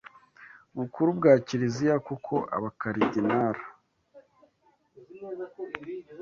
bukuru bwa Kiliziya, kuko Abakaridinali